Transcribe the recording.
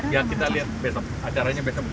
ya kita lihat besok acaranya besok